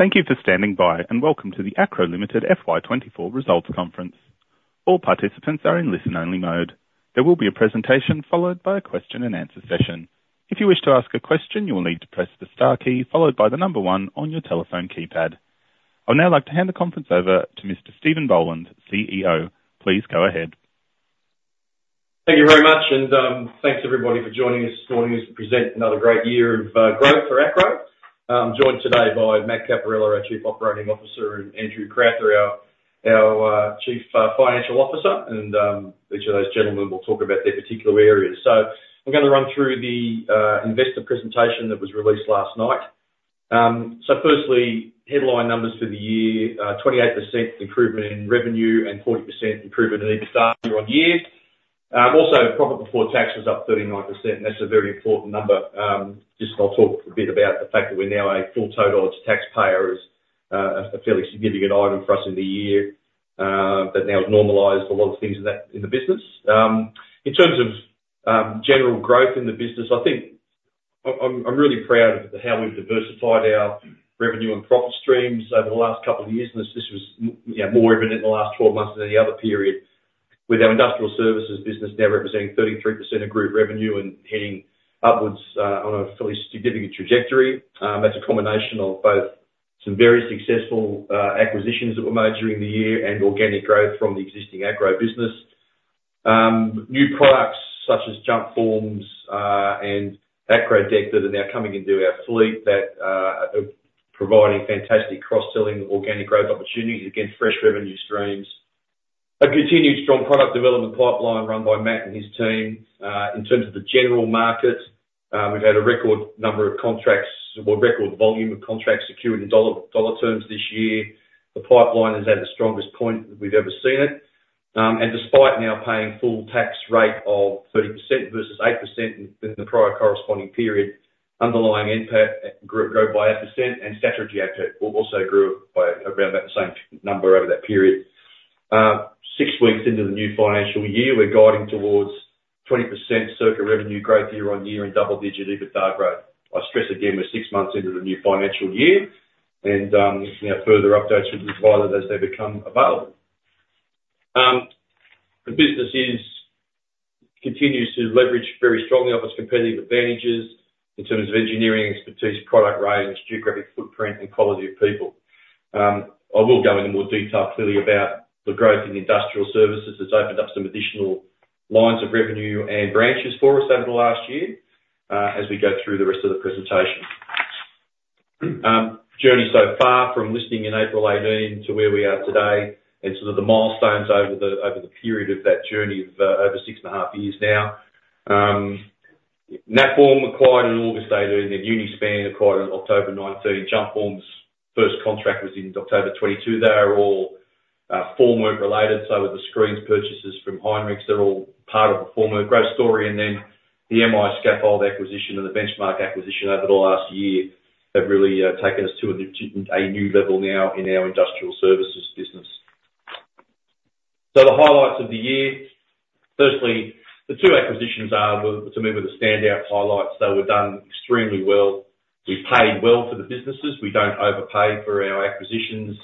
Thank you for standing by, and welcome to the Acrow Limited FY twenty-four results conference. All participants are in listen-only mode. There will be a presentation, followed by a question and answer session. If you wish to ask a question, you will need to press the star key followed by the number one on your telephone keypad. I'd now like to hand the conference over to Mr. Steven Boland, CEO. Please go ahead. Thank you very much, and thanks, everybody, for joining us this morning as we present another great year of growth for Acrow. I'm joined today by Matt Caporella, our Chief Operating Officer, and Andrew Crowther, our Chief Financial Officer, and each of those gentlemen will talk about their particular areas. So I'm gonna run through the investor presentation that was released last night. So firstly, headline numbers for the year, twenty-eight percent improvement in revenue and forty percent improvement in EBITDA year on year. Also, profit before tax was up thirty-nine percent. That's a very important number. Just I'll talk a bit about the fact that we're now a full taxpayer is a fairly significant item for us in the year, but now it's normalized a lot of things in that in the business. In terms of general growth in the business, I think I'm really proud of how we've diversified our revenue and profit streams over the last couple of years, and this was, you know, more evident in the last twelve months than any other period, with our industrial services business now representing 33% of group revenue and heading upwards on a fairly significant trajectory. That's a combination of both some very successful acquisitions that were made during the year and organic growth from the existing Acrow business. New products such as jump forms and AcrowDeck that are now coming into our fleet, that are providing fantastic cross-selling, organic growth opportunities, again, fresh revenue streams. A continued strong product development pipeline run by Matt and his team. In terms of the general market, we've had a record number of contracts or record volume of contracts secured in dollar terms this year. The pipeline is at the strongest point that we've ever seen it, and despite now paying full tax rate of 30% versus 8% in the prior corresponding period, underlying NPAT grew by 8%, and statutory NPAT also grew by around that same number over that period. Six weeks into the new financial year, we're guiding towards circa 20% revenue growth year on year and double-digit EBITDA growth. I stress again, we're six months into the new financial year, and, you know, further updates should be provided as they become available. The business is... continues to leverage very strongly off its competitive advantages in terms of engineering expertise, product range, geographic footprint, and quality of people. I will go into more detail clearly about the growth in industrial services. It's opened up some additional lines of revenue and branches for us over the last year, as we go through the rest of the presentation. Journey so far from listing in April 2018 to where we are today, and sort of the milestones over the period of that journey of over six and a half years now. Natform acquired in August 2018, then Uni-span acquired in October 2019. Jumpform's first contract was in October 2022. They are all formwork related, so are the screens purchases from Heinrichs. They're all part of the formwork growth story, and then the MI Scaffold acquisition and the Benchmark acquisition over the last year have really taken us to a new level now in our industrial services business. So the highlights of the year: firstly, the two acquisitions, to me, were the standout highlights. They were done extremely well. We paid well for the businesses. We don't overpay for our acquisitions,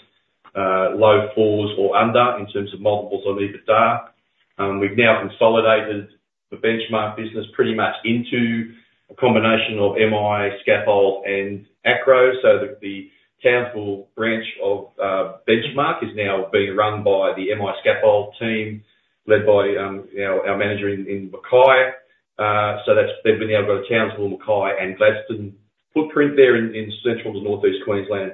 low fours or under in terms of multiples on EBITDA. We've now consolidated the Benchmark business pretty much into a combination of MI Scaffold and Acrow, so the Townsville branch of Benchmark is now being run by the MI Scaffold team, led by our manager in Mackay. So they've now got a Townsville, Mackay, and Gladstone footprint there in central and northeast Queensland.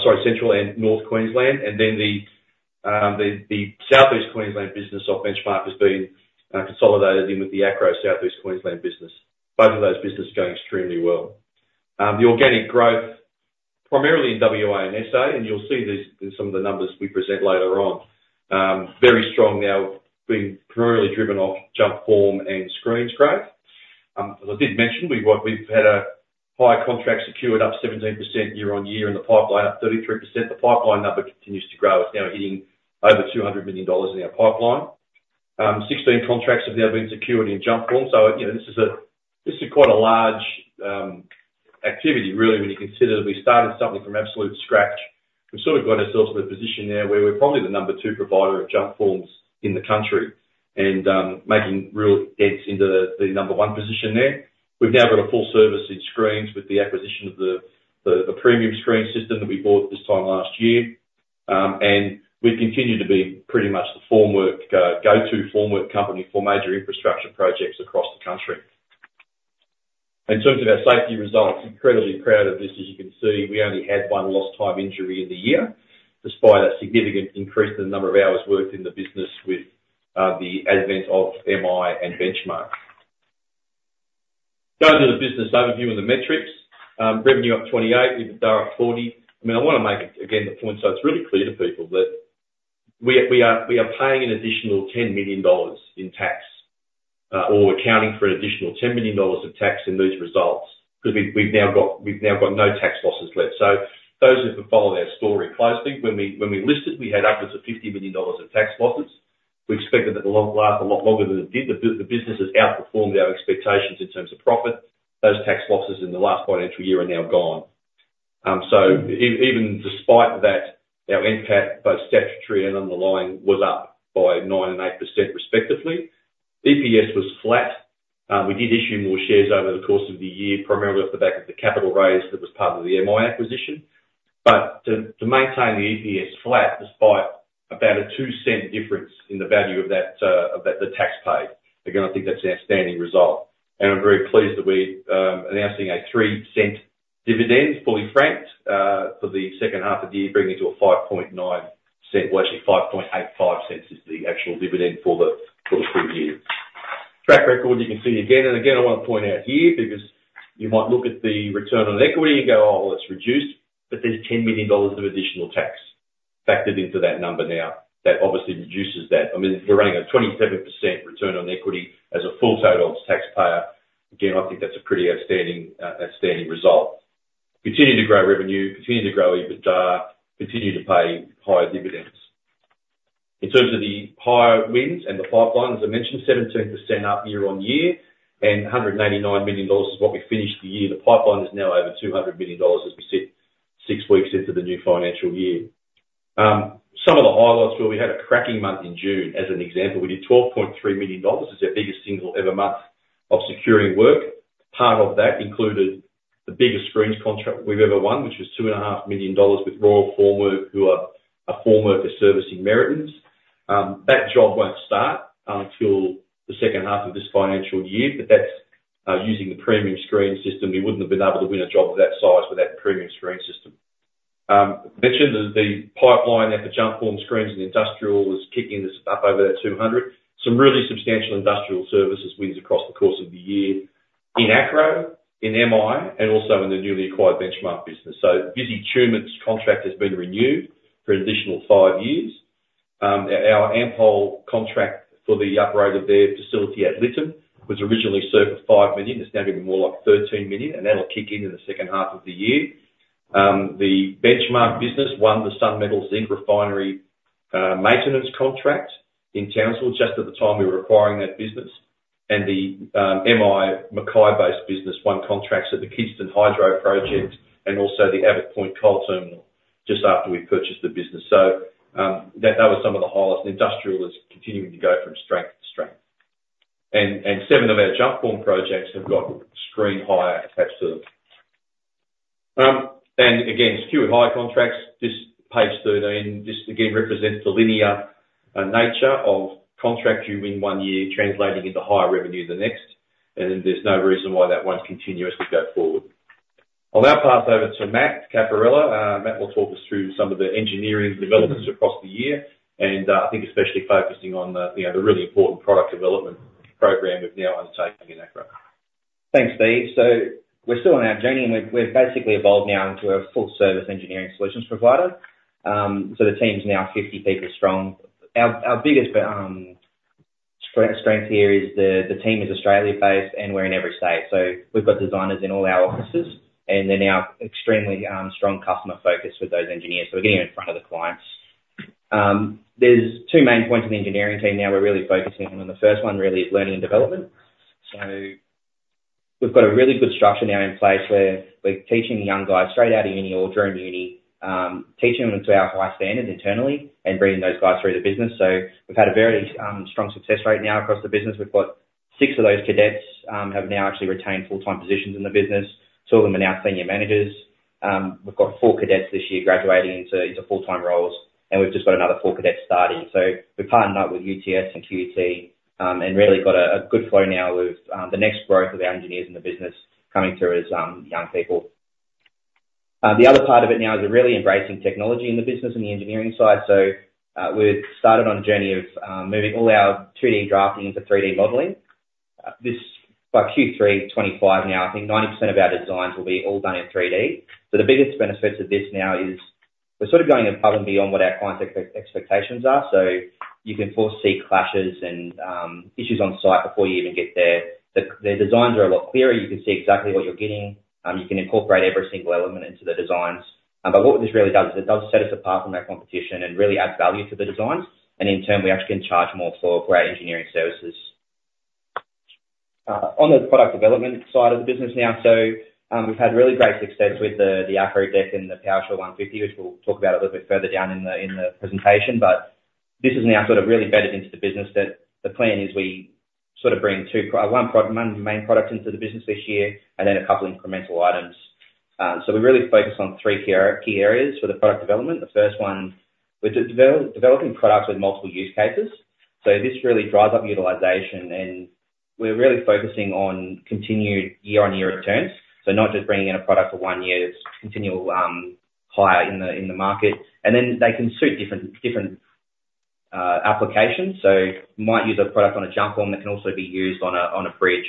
Sorry, central and north Queensland, and then the southeast Queensland business of Benchmark has been consolidated in with the Acrow Southeast Queensland business. Both of those businesses are going extremely well. The organic growth, primarily in WA and SA, and you'll see this in some of the numbers we present later on. Very strong now, being primarily driven off Jumpform and Screens growth. As I did mention, we've had a hire contract secured, up 17% year on year, and the pipeline up 33%. The pipeline number continues to grow. It's now hitting over 200 million dollars in our pipeline. Sixteen contracts have now been secured in Jumpform. So, you know, this is quite a large activity, really, when you consider that we started something from absolute scratch. We've sort of got ourselves in a position now where we're probably the number two provider of Jumpforms in the country, and making real dents into the number one position there. We've now got a full service in screens with the acquisition of the premium screen system that we bought this time last year, and we've continued to be pretty much the formwork go-to formwork company for major infrastructure projects across the country. In terms of our safety results, incredibly proud of this. As you can see, we only had one lost time injury in the year, despite a significant increase in the number of hours worked in the business with the advent of MI and Benchmark. Going to the business overview and the metrics, revenue up 28%, EBITDA up 40%. I mean, I wanna make it, again, the point, so it's really clear to people that we are paying an additional 10 million dollars in tax, or accounting for an additional 10 million dollars of tax in these results, because we've now got no tax losses left. So those who have been following our story closely, when we listed, we had upwards of 50 million dollars in tax losses. We expected that to last a lot longer than it did. The business has outperformed our expectations in terms of profit. Those tax losses in the last financial year are now gone. So even despite that, our NPAT, both statutory and underlying, was up by 9% and 8% respectively. EPS was flat. We did issue more shares over the course of the year, primarily off the back of the capital raise that was part of the MI acquisition. But to maintain the EPS flat despite about an 0.02 difference in the value of that, the tax paid, again, I think that's an outstanding result. And I'm very pleased that we're announcing an 0.03 dividend, fully franked, for the second half of the year, bringing to an 0.059... Well, actually, 0.0585 is the actual dividend for the full year. Track record, you can see again, and again, I want to point out here, because you might look at the return on equity and go, "Oh, well, it's reduced," but there's 10 million dollars of additional tax factored into that number now. That obviously reduces that. I mean, we're running a 27% return on equity as a full tax payer. Again, I think that's a pretty outstanding, outstanding result. Continuing to grow revenue, continuing to grow EBITDA, continue to pay higher dividends. In terms of the hire wins and the pipeline, as I mentioned, 17% up year on year, and 189 million dollars is what we finished the year. The pipeline is now over 200 million dollars as we sit six weeks into the new financial year. Some of the highlights were, we had a cracking month in June. As an example, we did 12.3 million dollars. It's our biggest single ever month of securing work. Part of that included the biggest screens contract we've ever won, which was 2.5 million dollars with Royal Formwork, who are a formwork servicing Meriton. That job won't start until the second half of this financial year, but that's using the premium screen system. We wouldn't have been able to win a job of that size without the premium screen system. Mentioned the pipeline there for jump form screens and industrial was kicking this up over that 200. Some really substantial industrial services wins across the course of the year in Acrow, in MI, and also in the newly acquired Benchmark business. So Visy Tumut's contract has been renewed for an additional five years. Our Ampol contract for the upgrade of their facility at Lytton was originally sized for 5 million. It's now going to be more like 13 million, and that'll kick in in the second half of the year. The Benchmark business won the Sun Metals Zinc Refinery maintenance contract in Townsville just at the time we were acquiring that business. The MI Mackay-based business won contracts at the Kidston Hydro Project and also the Abbot Point Coal Terminal just after we purchased the business. That was some of the highlights. Industrial is continuing to go from strength to strength. Seven of our jump form projects have got screen hire attached to them. Again, screen hire contracts. Page 13 again represents the linear nature of contracts you win one year, translating into higher revenue the next, and there's no reason why that won't continuously go forward. I'll now pass over to Matt Caporella. Matt will talk us through some of the engineering developments across the year, and, I think especially focusing on the, you know, the really important product development program we've now undertaken in Acrow. Thanks, Steve. We're still on our journey, and we've basically evolved now into a full service engineering solutions provider. So the team's now 50 people strong. Our biggest strength here is the team is Australia-based, and we're in every state. So we've got designers in all our offices, and they're now extremely strong customer focused with those engineers, so we're getting in front of the clients. There's two main points in the engineering team now we're really focusing on, and the first one really is learning and development. So we've got a really good structure now in place, where we're teaching the young guys straight out of uni or during uni, teaching them to our high standards internally and bringing those guys through the business. So we've had a very strong success rate now across the business. We've got six of those cadets have now actually retained full-time positions in the business. Two of them are now senior managers. We've got four cadets this year graduating into full-time roles, and we've just got another four cadets starting. So we've partnered up with UTS and QUT, and really got a good flow now with the next growth of our engineers in the business coming through as young people. The other part of it now is we're really embracing technology in the business on the engineering side. So we've started on a journey of moving all our 3D drafting into 3D modeling. By Q3 2025 now, I think 90% of our designs will be all done in 3D. So the biggest benefits of this now is we're sort of going above and beyond what our clients' expectations are, so you can foresee clashes and issues on site before you even get there. The designs are a lot clearer. You can see exactly what you're getting. You can incorporate every single element into the designs. But what this really does is it does set us apart from our competition and really adds value to the designs, and in turn, we actually can charge more for our engineering services. On the product development side of the business now, so we've had really great success with the AcrowDeck and the Powershore 150, which we'll talk about a little bit further down in the presentation. But this is now sort of really embedded into the business, that the plan is we sort of bring two props, one main product into the business this year and then a couple incremental items. So we really focus on three key areas for the product development. The first one, we're developing products with multiple use cases, so this really drives up utilization, and we're really focusing on continued year-on-year returns. So not just bringing in a product for one year, it's continual, higher in the market. And then they can suit different applications. So might use a product on a jump form that can also be used on a bridge.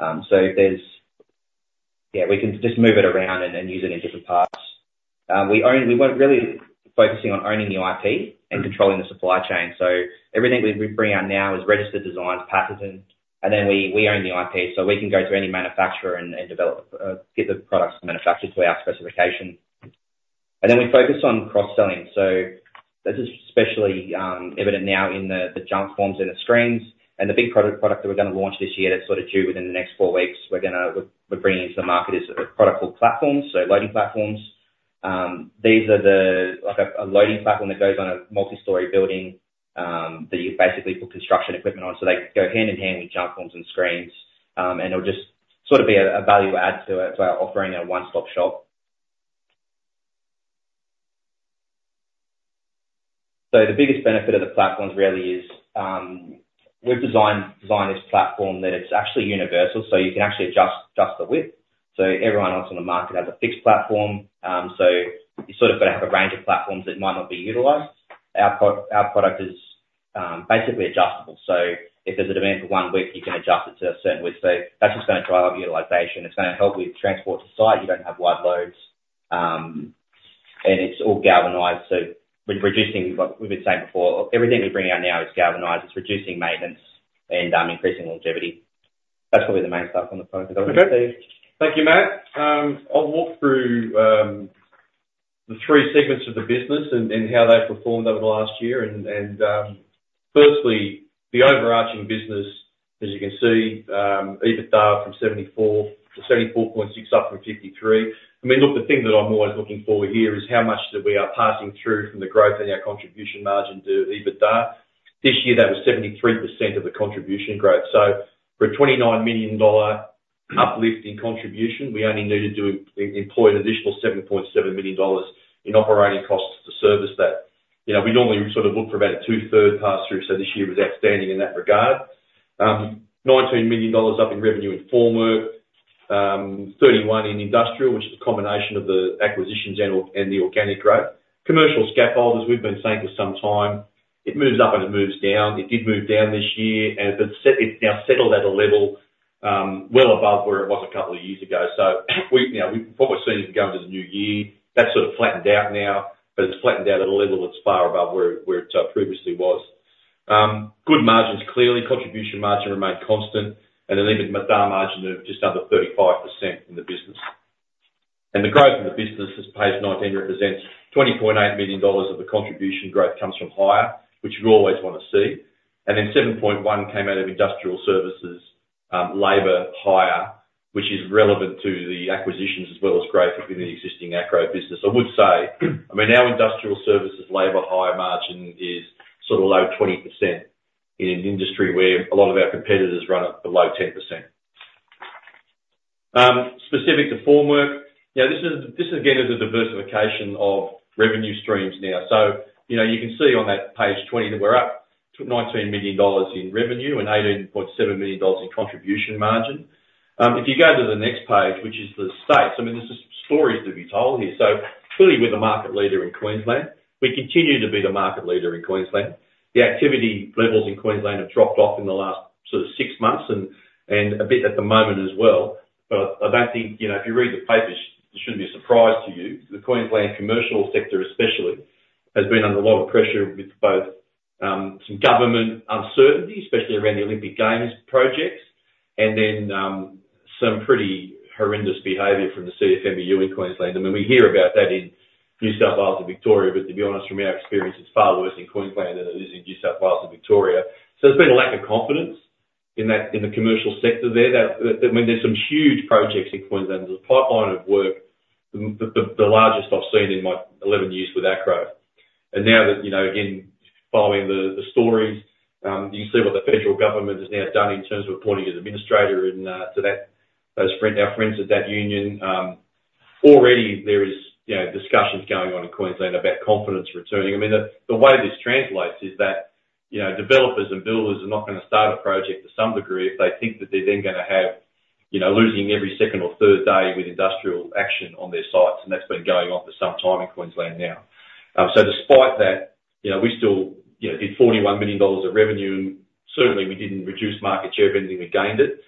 So we can just move it around and use it in different parts. We really focus on owning the IP and controlling the supply chain. So everything we bring out now is registered designs, patents, and then we own the IP, so we can go to any manufacturer and develop, get the products manufactured to our specification. We focus on cross-selling. So this is especially evident now in the jump forms and the screens, and the big product that we're gonna launch this year, that's sort of due within the next four weeks, we're gonna bring into the market, is a product called Platforms, so loading platforms. These are like a loading platform that goes on a multi-story building, that you basically put construction equipment on. So they go hand-in-hand with jump forms and screens, and it'll just sort of be a value add to it by offering a one-stop shop. So the biggest benefit of the platforms really is, we've designed this platform that it's actually universal, so you can actually adjust the width. So everyone else on the market has a fixed platform, so you've sort of got to have a range of platforms that might not be utilized. Our product is basically adjustable, so if there's a demand for one width, you can adjust it to a certain width. So that's just gonna drive up utilization. It's gonna help with transport to site, you don't have wide loads, and it's all galvanized, so we're reducing what we've been saying before. Everything we're bringing out now is galvanized. It's reducing maintenance and, increasing longevity. That's probably the main stuff on the front that I can see. Okay. Thank you, Matt. I'll walk through the three segments of the business and firstly, the overarching business, as you can see, EBITDA from 74-74.6, up from 53. I mean, look, the thing that I'm always looking for here is how much that we are passing through from the growth and our contribution margin to EBITDA. This year, that was 73% of the contribution growth. So for a 29 million dollar uplift in contribution, we only needed to employ an additional 7.7 million dollars in operating costs to service that. You know, we normally sort of look for about a two-third pass-through, so this year was outstanding in that regard. 19 million dollars up in revenue in formwork, 31 in industrial, which is a combination of the acquisitions and the organic growth. Commercial scaffolds, as we've been saying for some time, it moves up and it moves down. It did move down this year, and but it's now settled at a level well above where it was a couple of years ago. So we, you know, what we're seeing as we go into the new year, that's sort of flattened out now, but it's flattened out at a level that's far above where it previously was. Good margins, clearly. Contribution margin remained constant, and an EBITDA margin of just under 35% in the business. And the growth in the business, as page 19 represents, 20.8 million dollars of the contribution growth comes from hire, which you always want to see, and then 7.1 came out of industrial services, labor hire, which is relevant to the acquisitions as well as growth within the existing Acrow business. I would say, I mean, our industrial services labor hire margin is sort of low 20% in an industry where a lot of our competitors run it below 10%. Specific to formwork, now, this is, this again, is a diversification of revenue streams now. So, you know, you can see on that page 20, that we're up to 19 million dollars in revenue and 18.7 million dollars in contribution margin. If you go to the next page, which is the states, I mean, there's some stories to be told here, so clearly, we're the market leader in Queensland. We continue to be the market leader in Queensland. The activity levels in Queensland have dropped off in the last sort of six months, and a bit at the moment as well, but I don't think, you know, if you read the papers, this shouldn't be a surprise to you. The Queensland commercial sector especially has been under a lot of pressure with both some government uncertainty, especially around the Olympic Games projects, and then some pretty horrendous behavior from the CFMEU in Queensland. I mean, we hear about that in New South Wales and Victoria, but to be honest, from our experience, it's far worse in Queensland than it is in New South Wales and Victoria. So there's been a lack of confidence in that, in the commercial sector there. I mean, there's some huge projects in Queensland. There's a pipeline of work, the largest I've seen in my eleven years with Acrow. And now that, you know, again, following the stories, you see what the federal government has now done in terms of appointing an administrator to our friends at that union. Already there is, you know, discussions going on in Queensland about confidence returning. I mean, the way this translates is that, you know, developers and builders are not gonna start a project to some degree, if they think that they're then gonna have, you know, losing every second or third day with industrial action on their sites, and that's been going on for some time in Queensland now. So despite that, you know, we still, you know, did 41 million dollars of revenue, and certainly we didn't reduce market share of anything, we gained it.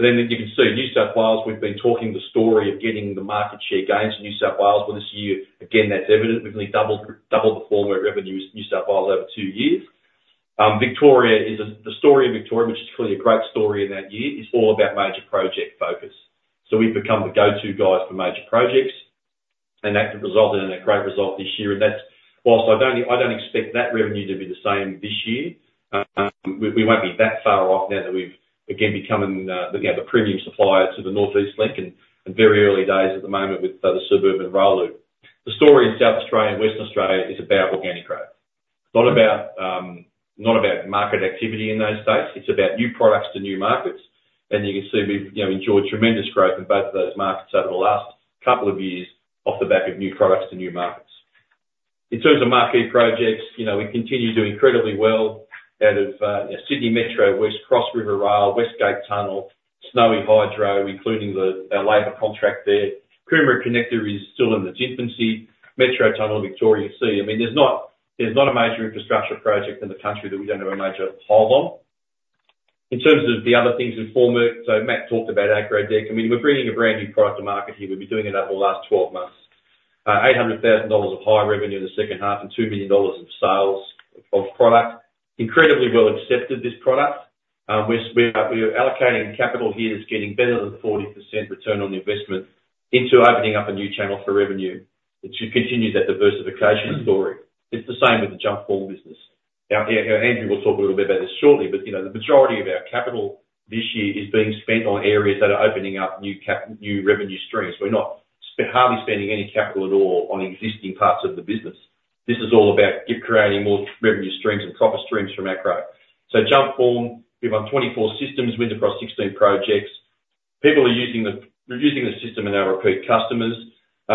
And then as you can see, New South Wales, we've been talking the story of getting the market share gains in New South Wales. Well, this year, again, that's evident. We've only doubled the formwork revenues in New South Wales over two years. Victoria is a... The story of Victoria, which is clearly a great story in that year, is all about major project focus. So we've become the go-to guys for major projects, and that has resulted in a great result this year, and that's while I don't expect that revenue to be the same this year, we won't be that far off now that we've again become you know the premium supplier to the North East Link, and very early days at the moment with the Suburban Rail Loop. The story in South Australia and Western Australia is about organic growth. It's not about market activity in those states, it's about new products to new markets, and you can see we've you know enjoyed tremendous growth in both of those markets over the last couple of years off the back of new products and new markets. In terms of marquee projects, you know, we continue to do incredibly well out of Sydney Metro West, Cross River Rail, West Gate Tunnel, Snowy Hydro, including our labor contract there. Coomera Connector is still in its infancy. Metro Tunnel, Victoria. See. I mean, there's not a major infrastructure project in the country that we don't have a major hold on. In terms of the other things in formwork, so Matt talked about AcrowDeck. I mean, we're bringing a brand new product to market here. We've been doing it over the last 12 months. 800,000 dollars of higher revenue in the second half, and two million dollars of sales of product. Incredibly well accepted, this product. We are allocating capital here that's getting better than 40% return on the investment into opening up a new channel for revenue, which should continue that diversification story. It's the same with the jump form business. Now, Andrew will talk a little bit about this shortly, but, you know, the majority of our capital this year is being spent on areas that are opening up new revenue streams. We're hardly spending any capital at all on existing parts of the business. This is all about creating more revenue streams and profit streams from Acrow. So jump form, we've run 24 systems, wins across 16 projects. People are using the system and are repeat customers.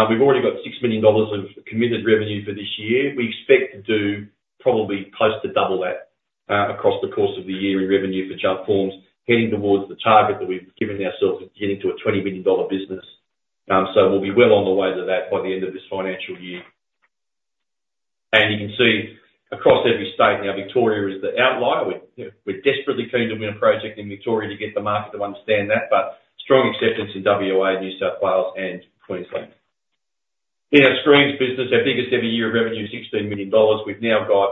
We've already got 6 million dollars of committed revenue for this year. We expect to do probably close to double that across the course of the year in revenue for jump forms, heading towards the target that we've given ourselves of getting to a 20 billion dollar business. So we'll be well on the way to that by the end of this financial year. And you can see across every state. Now, Victoria is the outlier. We're desperately keen to win a project in Victoria to get the market to understand that, but strong acceptance in WA, New South Wales, and Queensland. In our screens business, our biggest every year of revenue is 16 million dollars. We've now got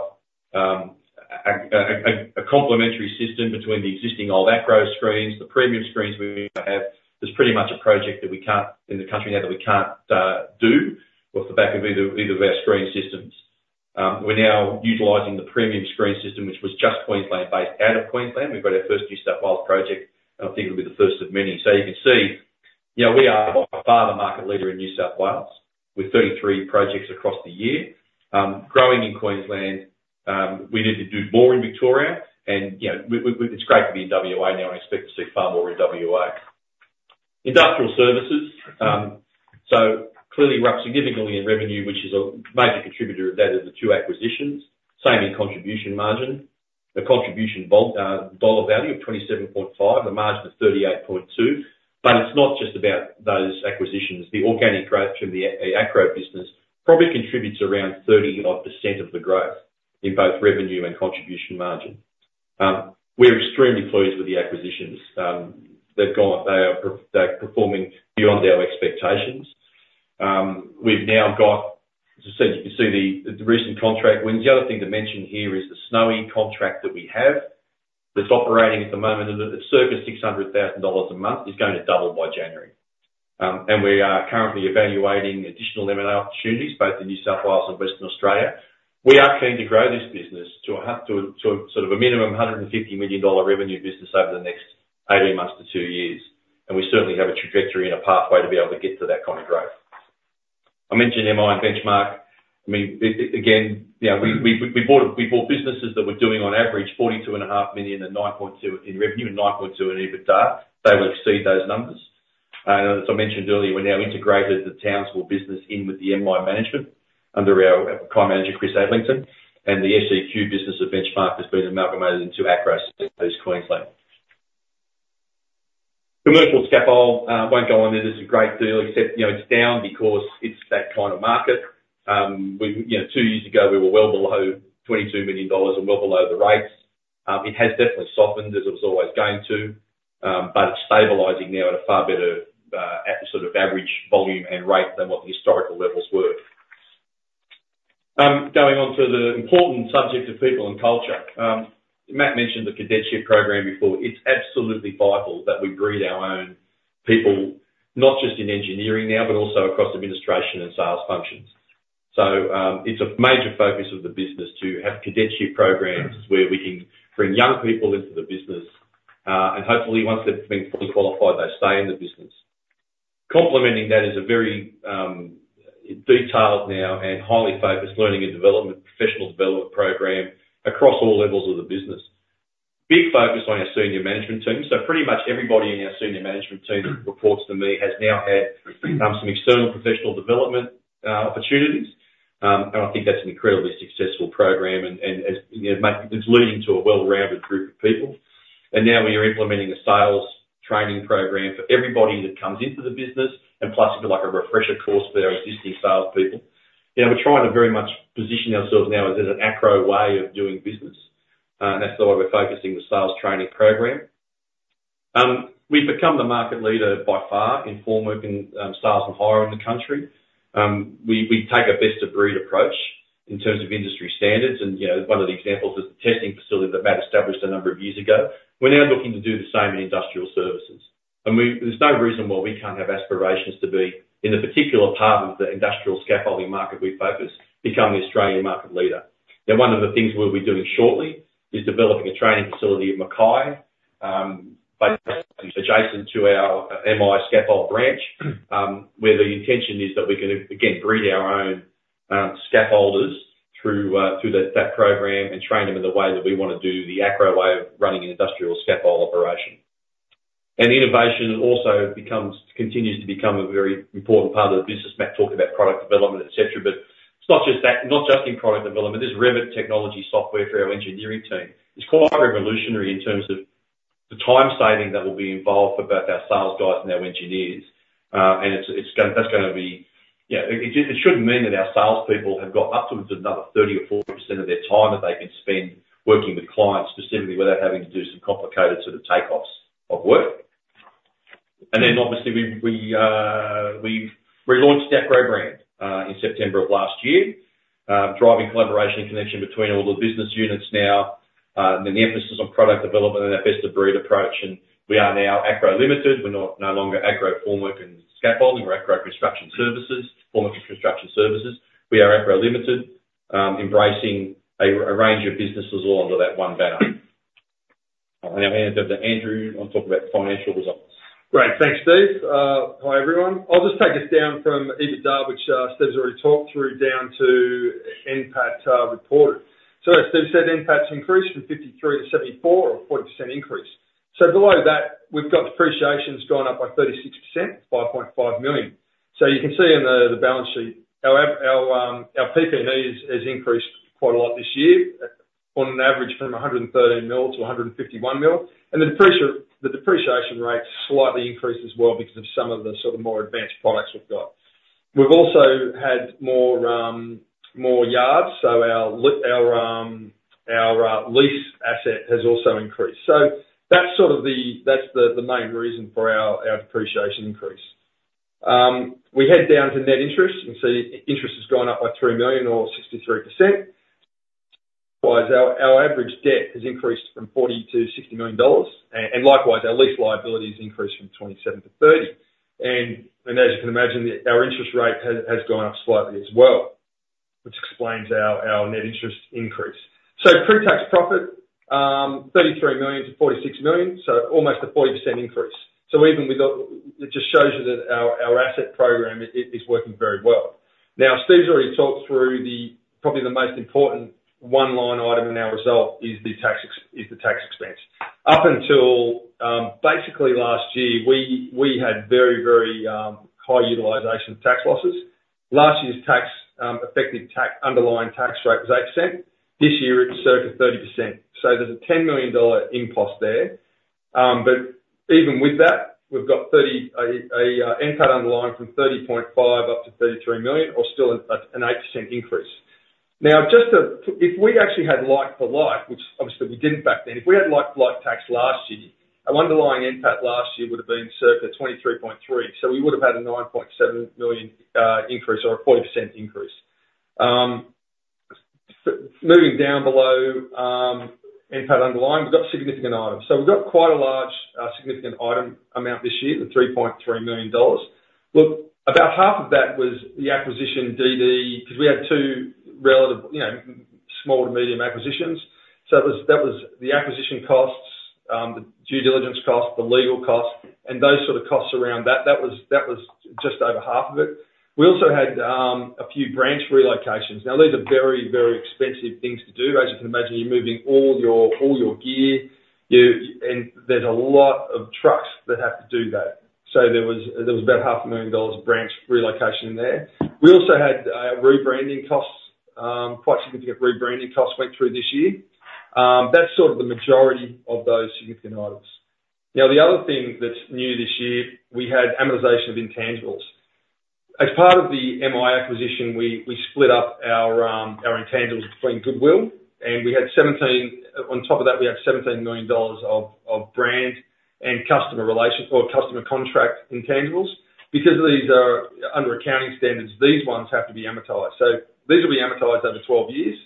a complementary system between the existing old Acrow screens, the premium screens we have. There's pretty much a project in the country now that we can't do off the back of either of our screen systems. We're now utilizing the Premium Screens system, which was just Queensland-based, out of Queensland. We've got our first New South Wales project, and I think it'll be the first of many. So you can see, you know, we are by far the market leader in New South Wales, with 33 projects across the year. Growing in Queensland, we need to do more in Victoria and, you know, we, it's great to be in WA now. I expect to see far more in WA. Industrial services, so clearly we're up significantly in revenue, which is a major contributor of that, is the two acquisitions, same in contribution margin. The contribution volume dollar value of 27.5, a margin of 38.2%. But it's not just about those acquisitions. The organic growth from the Acrow business probably contributes around 30-odd% of the growth in both revenue and contribution margin. We're extremely pleased with the acquisitions. They're performing beyond our expectations. We've now got, as I said, you can see the recent contract wins. The other thing to mention here is the Snowy Hydro contract that we have, that's operating at the moment at circa 600,000 dollars a month, is going to double by January. And we are currently evaluating additional M&A opportunities, both in New South Wales and Western Australia. We are keen to grow this business to a sort of a minimum 150 million dollar revenue business over the next 18 months to 2 years, and we certainly have a trajectory and a pathway to be able to get to that kind of growth. I mentioned MI and Benchmark. I mean, again, you know, we bought businesses that were doing, on average, 42.5 million, and 9.2 million in revenue, and 9.2 million in EBITDA. They will exceed those numbers. And as I mentioned earlier, we now integrated the Townsville business in with the MI management, under our Qld manager, Chris Adlington, and the SEQ business of Benchmark has been amalgamated into Acrow Southeast Queensland. Commercial scaffold won't go on it. It's a great deal, except, you know, it's down because it's that kind of market. We, you know, two years ago, we were well below 22 million dollars and well below the rates. It has definitely softened, as it was always going to, but it's stabilizing now at a far better, at the sort of average volume and rate than what the historical levels were. Going on to the important subject of people and culture. Matt mentioned the cadetship program before. It's absolutely vital that we breed our own people, not just in engineering now, but also across administration and sales functions. So, it's a major focus of the business to have cadetship programs where we can bring young people into the business, and hopefully, once they've been fully qualified, they stay in the business. Complementing that is a very, detailed now and highly focused learning and development, professional development program across all levels of the business. Big focus on our senior management team. So pretty much everybody in our senior management team who reports to me has now had some external professional development opportunities. And I think that's an incredibly successful program and, as you know, it's leading to a well-rounded group of people. And now we are implementing a sales training program for everybody that comes into the business, and plus, like, a refresher course for our existing salespeople. You know, we're trying to very much position ourselves now as there's an Acrow way of doing business, and that's why we're focusing the sales training program. We've become the market leader by far in formwork and sales and hire in the country. We take a best of breed approach in terms of industry standards, and, you know, one of the examples is the testing facility that Matt established a number of years ago. We're now looking to do the same in industrial services, and we, there's no reason why we can't have aspirations to be in the particular part of the industrial scaffolding market we focus, become the Australian market leader. Now, one of the things we'll be doing shortly, is developing a training facility at Mackay, basically adjacent to our MI Scaffold branch, where the intention is that we're gonna, again, breed our own, scaffolders through that program, and train them in the way that we wanna do the Acrow way of running an industrial scaffold operation. And innovation also becomes, continues to become a very important part of the business. Matt talked about product development, et cetera, but it's not just that, not just in product development. There's Revit technology software for our engineering team. It's quite revolutionary in terms of the time saving that will be involved for both our sales guys and our engineers. And it's gonna be. You know, it should mean that our salespeople have got up to another 30% or 40% of their time that they can spend working with clients, specifically, without having to do some complicated sort of takeoffs of work. And then obviously, we've relaunched that Acrow brand in September of last year, driving collaboration and connection between all the business units now, and then the emphasis on product development and our best of breed approach. And we are now Acrow Limited. We're not no longer Acrow Formwork and Scaffolding. We're Acrow Construction Services, Formwork Construction Services. We are Acrow Limited, embracing a range of businesses all under that one banner. I'm gonna hand over to Andrew, who will talk about the financial results. Great. Thanks, Steve. Hi, everyone. I'll just take us down from EBITDA, which Steve's already talked through, down to NPAT reported. As Steve said, NPAT's increased from 53-74, or a 40% increase. Below that, we've got depreciation's gone up by 36%, 5.5 million. You can see in the balance sheet, our PPE has increased quite a lot this year, on an average from 113 million-151 million. The depreciation rate slightly increased as well because of some of the sort of more advanced products we've got. We've also had more yards, so our lease asset has also increased. That's the main reason for our depreciation increase. We head down to net interest. You can see interest has gone up by 3 million or 63%. Whereas our average debt has increased from 40 million-60 million dollars, and likewise, our lease liability has increased from 27 million to 30 million. And as you can imagine, our interest rate has gone up slightly as well, which explains our net interest increase. So pre-tax profit, 33 million-46 million, so almost a 40% increase. So even with the... it just shows you that our asset program is working very well. Now, Steve's already talked through the, probably the most important one-line item in our result, is the tax expense. Up until, basically last year, we had very high utilization tax losses. Last year's tax, effective tax, underlying tax rate was 8%. This year, it's circa 30%, so there's a 10 million dollar input there. But even with that, we've got 30 million NPAT underlying from 30.5 up to 33 million, or still an 8% increase. Now, just to if we actually had like-for-like, which obviously we didn't back then, if we had like-for-like tax last year, our underlying NPAT last year would've been circa 23.3. So we would've had a 9.7 million increase, or a 40% increase. Moving down below, NPAT underlying, we've got significant items. So we've got quite a large significant item amount this year, the 3.3 million dollars. Look, about half of that was the acquisition DD, 'cause we had two relative, you know, small to medium acquisitions. So that was, that was the acquisition costs, the due diligence costs, the legal costs, and those sort of costs around that. That was, that was just over half of it. We also had a few branch relocations. Now, these are very, very expensive things to do. As you can imagine, you're moving all your, all your gear, and there's a lot of trucks that have to do that. So there was, there was about 500,000 dollars of branch relocation there. We also had rebranding costs, quite significant rebranding costs went through this year. That's sort of the majority of those significant items. Now, the other thing that's new this year, we had amortization of intangibles. As part of the MI acquisition, we split up our intangibles between goodwill, and we had 17, on top of that, we had 17 million dollars of brand and customer relations or customer contract intangibles. Because these are under accounting standards, these ones have to be amortized. So these will be amortized over 12 years.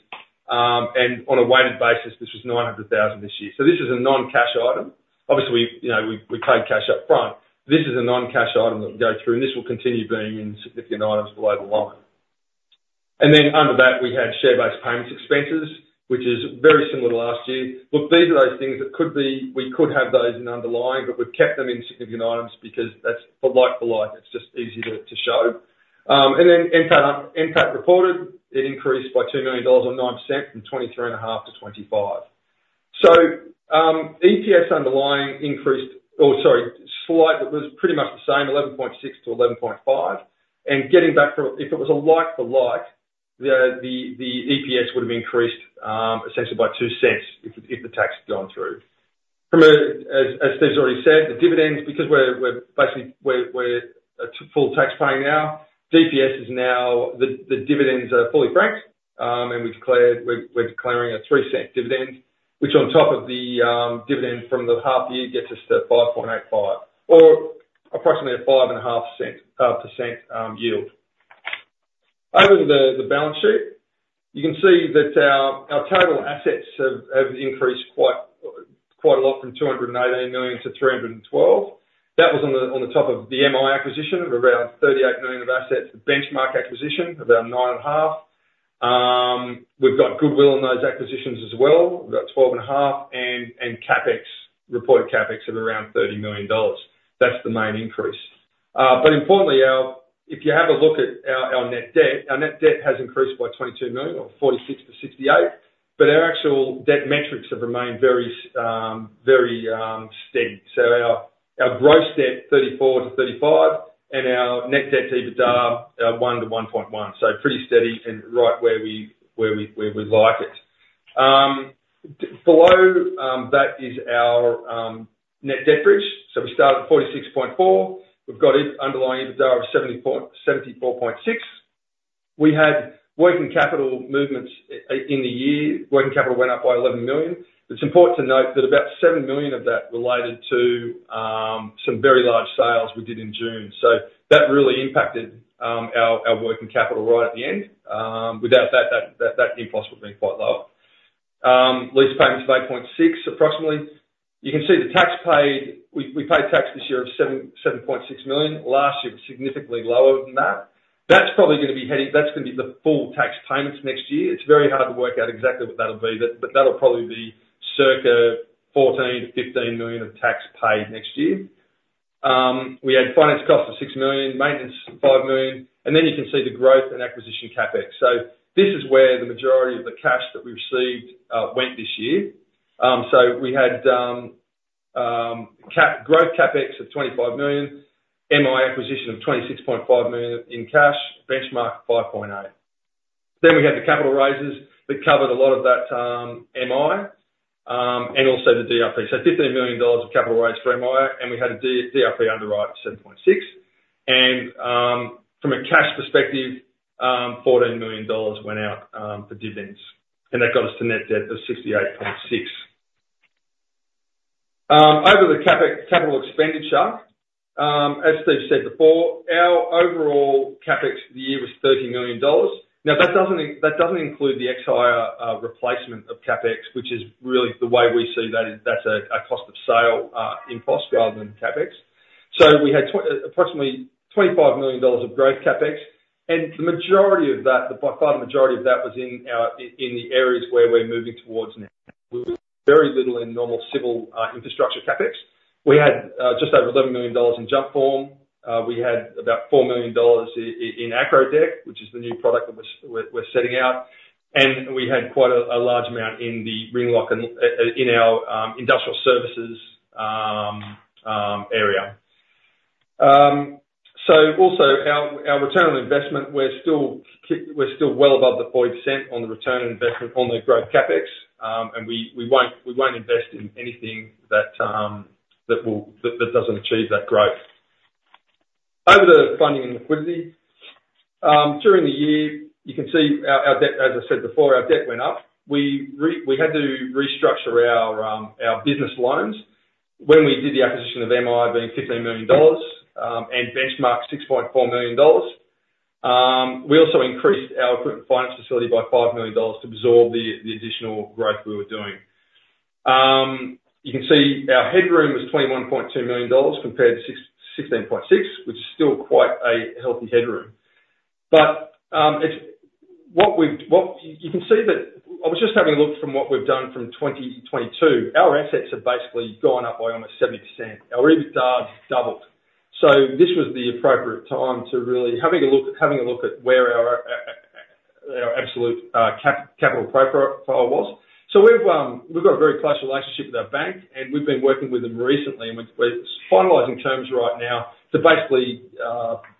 And on a weighted basis, this was 900,000 this year. So this is a non-cash item. Obviously, you know, we paid cash up front. This is a non-cash item that will go through, and this will continue being in significant items below the line. And then under that, we had share-based payments expenses, which is very similar to last year. Look, these are those things that could be in underlying, but we've kept them in significant items because that's for like-for-like. It's just easier to show. And then NPAT reported. It increased by 2 million dollars or 9% from 23.5-25. So, EPS underlying increased. Oh, sorry, slight. It was pretty much the same, 11.6-11.5. Getting back from. If it was a like for like, the EPS would have increased essentially by 0.02 if the tax had gone through. From a. As Steve's already said, the dividends, because we're basically a full taxpayer now, DPS is now. The dividends are fully franked, and we've declared, we're declaring a 3-cent dividend, which on top of the dividend from the half year gets us to 5.85, or approximately a 5.5-cent, percent yield. Over the balance sheet, you can see that our total assets have increased quite a lot from 218 million to 312. That was on top of the MI acquisition of around 38 million of assets, the Benchmark acquisition, about 9.5. We've got goodwill on those acquisitions as well, we've got 12.5, and CapEx, reported CapEx of around 30 million dollars. That's the main increase. But importantly, our... If you have a look at our net debt, our net debt has increased by 22 million, or 46-68, but our actual debt metrics have remained very, very steady. So our gross debt 34-35, and our net debt to EBITDA 1-1.1. So pretty steady and right where we like it. Down below that is our net debt bridge. So we started at 46.4. We've got underlying EBITDA of 74.6. We had working capital movements in the year, working capital went up by 11 million. It's important to note that about 7 million of that related to some very large sales we did in June. So that really impacted our working capital right at the end. Without that impulse would have been quite low. Lease payments of 8.6 million, approximately. You can see the tax paid. We paid tax this year of 7.6 million. Last year was significantly lower than that. That's probably gonna be heading. That's gonna be the full tax payments next year. It's very hard to work out exactly what that'll be, but that'll probably be circa 14 million-15 million of tax paid next year. We had finance costs of 6 million, maintenance, 5 million, and then you can see the growth and acquisition CapEx. So this is where the majority of the cash that we received went this year. So we had growth CapEx of 25 million, MI acquisition of 26.5 million in cash, Benchmark, 5.8 million. We had the capital raises that covered a lot of that, MI, and also the DRP. 15 million dollars of capital raise for MI, and we had a DRP underwrite of seven point six. From a cash perspective, fourteen million dollars went out for dividends, and that got us to net debt of sixty-eight point six. Over the CapEx, capital expenditure, as Steve said before, our overall CapEx for the year was thirty million dollars. Now, that doesn't include the ex-hire replacement of CapEx, which is really the way we see that. That's a cost of sale, incurred cost rather than CapEx. So we had approximately 25 million dollars of growth CapEx, and the majority of that, by far the majority of that, was in the areas where we're moving towards now. Very little in normal civil infrastructure CapEx. We had just over 11 million dollars in Jumpform. We had about 4 million dollars in Acrowdeck, which is the new product that we're setting out, and we had quite a large amount in the Ringlock and in our industrial services area. So also, our return on investment, we're still well above the 40% on the return on investment on the growth CapEx. And we won't invest in anything that will. That doesn't achieve that growth. Over to funding and liquidity. During the year, you can see our debt, as I said before, our debt went up. We had to restructure our business loans when we did the acquisition of MI, being 15 million dollars, and Benchmark, 6.4 million dollars. We also increased our equipment finance facility by 5 million dollars to absorb the additional growth we were doing. You can see our headroom was 21.2 million dollars, compared to 16.6 million, which is still quite a healthy headroom. It's what we've done from 2022. You can see that I was just having a look from what we've done from 2022. Our assets have basically gone up by almost 70%. Our EBITDA has doubled. So this was the appropriate time to really having a look at where our absolute capital profile was. So we've got a very close relationship with our bank, and we've been working with them recently, and we're finalizing terms right now to basically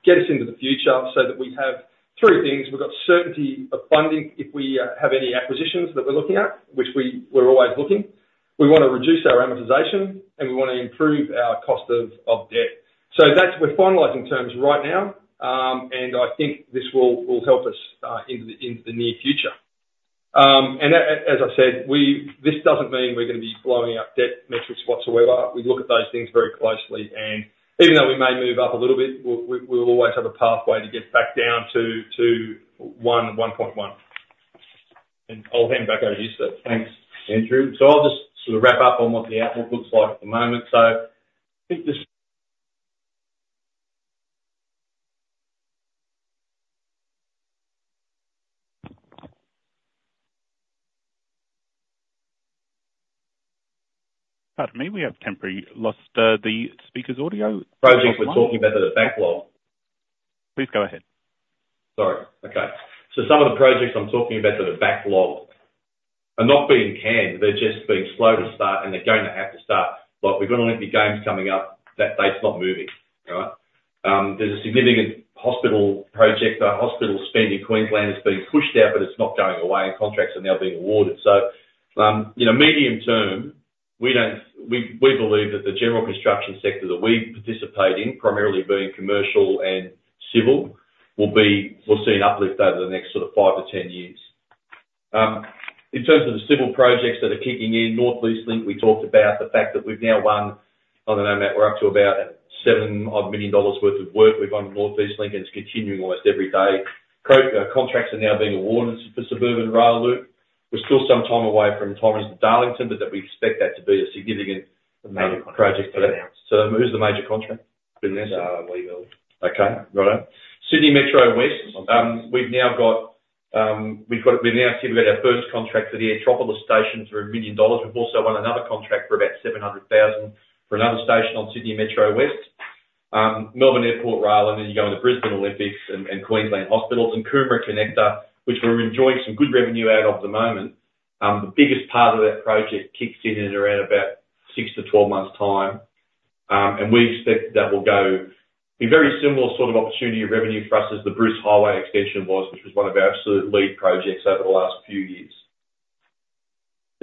get us into the future so that we have three things: We've got certainty of funding if we have any acquisitions that we're looking at, which we're always looking, we wanna reduce our amortization, and we wanna improve our cost of debt. So that's, we're finalizing terms right now, and I think this will help us into the near future. And as I said, we... This doesn't mean we're gonna be blowing up debt metric spots wherever. We look at those things very closely, and even though we may move up a little bit, we'll always have a pathway to get back down to one point one. And I'll hand back over to you, Steve. Thanks, Andrew. So I'll just sort of wrap up on what the outlook looks like at the moment. So I think this- Pardon me, we have temporarily lost the speaker's audio. Projects we're talking about that are backlog. Please go ahead. Sorry. Okay. So some of the projects I'm talking about that are backlogged are not being canned, they're just being slow to start, and they're going to have to start. But we've got an Olympic Games coming up, that date's not moving, all right? There's a significant hospital project. Our hospital spend in Queensland is being pushed out, but it's not going away, and contracts are now being awarded. So, in the medium term, we believe that the general construction sector that we participate in, primarily being commercial and civil, will see an uplift over the next sort of five to 10 years. In terms of the civil projects that are kicking in, North East Link, we talked about the fact that we've now won, I don't know, Matt, we're up to about 7 million dollars worth of work. We've won North East Link, and it's continuing almost every day. Contracts are now being awarded for Suburban Rail Loop. We're still some time away from Torrens to Darlington, but that we expect that to be a significant major project for them. Announced. So, who's the major contract? Been announced? Uh, Legal. Okay, got it. Sydney Metro West, we've now secured our first contract for the Aerotropolis station for 1 million dollars. We've also won another contract for about 700,000 for another station on Sydney Metro West. Melbourne Airport Rail, and then you go on to Brisbane Olympics and, and Queensland Hospitals and Coomera Connector, which we're enjoying some good revenue at the moment. The biggest part of that project kicks in at around about six to 12 months' time, and we expect that will go a very similar sort of opportunity of revenue for us, as the Bruce Highway extension was, which was one of our absolute lead projects over the last few years....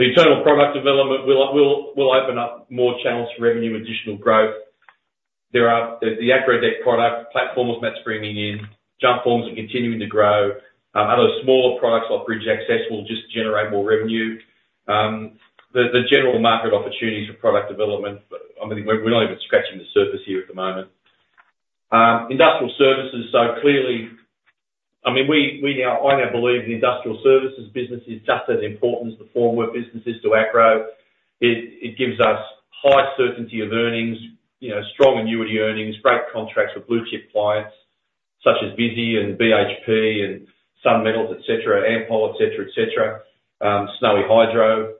The internal product development will open up more channels for revenue and additional growth. The AcrowDeck product platform was mainstreaming. Jump forms are continuing to grow. Other smaller products like Bridge Access will just generate more revenue. The general market opportunities for product development, I mean, we're not even scratching the surface here at the moment. Industrial services, so clearly, I mean, we now. I now believe the industrial services business is just as important as the formwork business is to Acrow. It gives us high certainty of earnings, you know, strong annuity earnings, great contracts with blue chip clients such as Visy and BHP and Sun Metals, et cetera, Ampol, et cetera, et cetera, Snowy Hydro.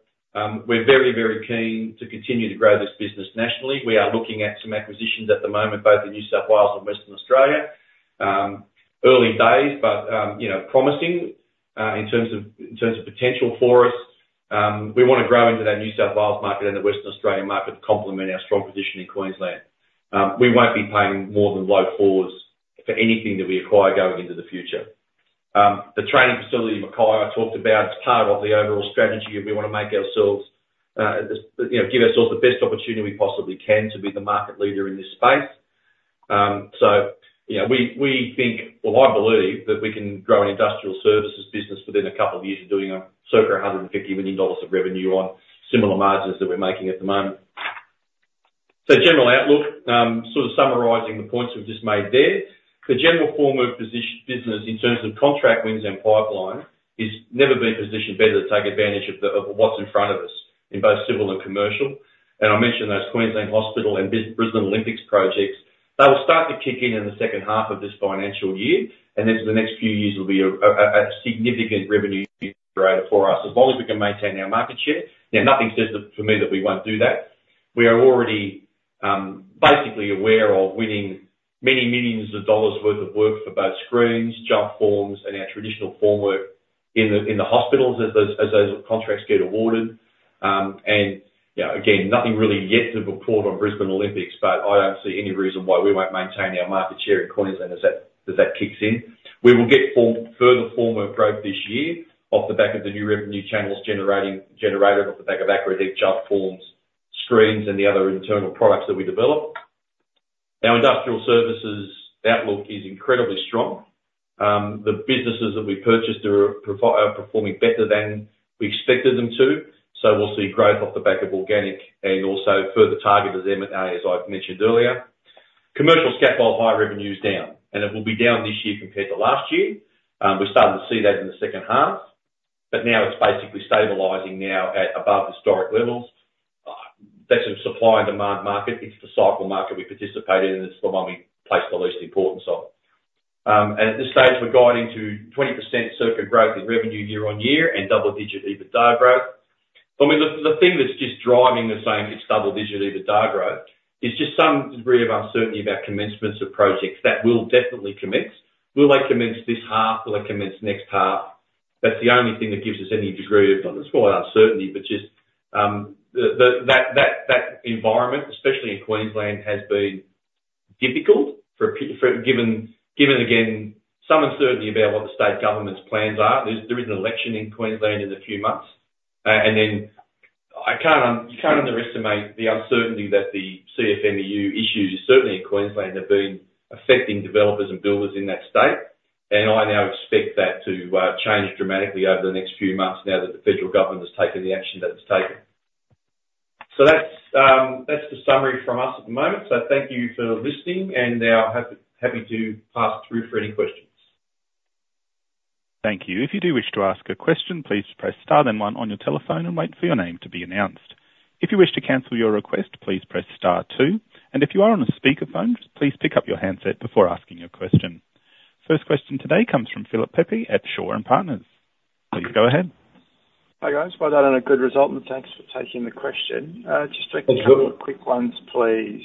We're very keen to continue to grow this business nationally. We are looking at some acquisitions at the moment, both in New South Wales and Western Australia. Early days, but, you know, promising, in terms of, in terms of potential for us. We wanna grow into that New South Wales market and the Western Australian market to complement our strong position in Queensland. We won't be paying more than low fours for anything that we acquire going into the future. The training facility, Mackay, I talked about, is part of the overall strategy, and we wanna make ourselves, you know, give ourselves the best opportunity we possibly can to be the market leader in this space. So, you know, we think, well, I believe, that we can grow an industrial services business within a couple of years of doing circa 150 million dollars of revenue on similar margins that we're making at the moment, so general outlook, sort of summarizing the points we've just made there. The general formwork position, business in terms of contract wins and pipeline, has never been positioned better to take advantage of what's in front of us in both civil and commercial, and I mentioned those Queensland Hospital and Brisbane Olympics projects. They will start to kick in, in the second half of this financial year, and then for the next few years will be a significant revenue generator for us, as long as we can maintain our market share, and nothing says that, for me, that we won't do that. We are already basically aware of winning many millions of dollars' worth of work for both screens, jump forms, and our traditional formwork in the hospitals as those contracts get awarded, and you know, again, nothing really yet to report on Brisbane Olympics, but I don't see any reason why we won't maintain our market share in Queensland as that kicks in. We will get further form of growth this year, off the back of the new revenue channels generating off the back of AcrowDeck jump forms, screens, and the other internal products that we develop. Our industrial services outlook is incredibly strong. The businesses that we purchased are performing better than we expected them to, so we'll see growth off the back of organic and also further targeted acquisitions, as I've mentioned earlier. Commercial scaffolding revenue is down, and it will be down this year compared to last year. We're starting to see that in the second half, but now it's basically stabilizing at above historic levels. That's a supply and demand market. It's the cyclical market we participate in, and it's the one we place the least importance on. And at this stage, we're guiding to 20% organic growth in revenue year on year, and double-digit EBITDA growth. I mean, the thing that's just driving the same, it's double-digit EBITDA growth, is just some degree of uncertainty about commencements of projects that will definitely commence. Will they commence this half? Will they commence next half? That's the only thing that gives us any degree of slight uncertainty, but the environment, especially in Queensland, has been difficult for, given again, some uncertainty about what the state government's plans are. There is an election in Queensland in a few months. And then you can't underestimate the uncertainty that the CFMEU issues, certainly in Queensland, have been affecting developers and builders in that state. I now expect that to change dramatically over the next few months now that the federal government has taken the action that it's taken. So that's the summary from us at the moment. So thank you for listening, and now happy to pass through for any questions. Thank you. If you do wish to ask a question, please press star then one on your telephone and wait for your name to be announced. If you wish to cancel your request, please press star two, and if you are on a speakerphone, just please pick up your handset before asking your question. First question today comes from Philip Pepe at Shaw and Partners. Please go ahead. Hi, guys. Well done on a good result, and thanks for taking the question. Just taking- Thank you. Quick ones, please.